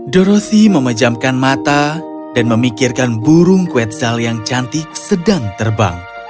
dorossi memejamkan mata dan memikirkan burung quezzal yang cantik sedang terbang